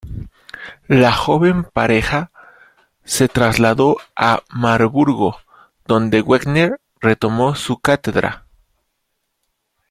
La joven pareja se trasladó a Marburgo, donde Wegener retomó su cátedra.